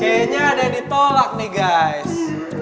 kayaknya ada yang ditolak nih guys